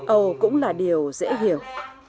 ồ cũng là điều dễ hiểu